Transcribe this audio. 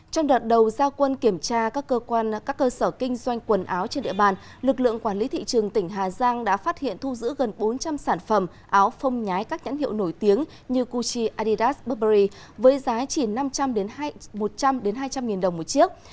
trong đợt đầu giao quân kiểm tra các cơ sở kinh doanh quần áo trên địa bàn lực lượng quản lý thị trường tỉnh hà giang đã phát hiện thu giữ gần bốn trăm linh sản phẩm áo phông nhái các nhãn hiệu nổi tiếng như kuchi adidas burberry với giá chỉ năm trăm linh hai trăm linh nghìn đồng một chiếc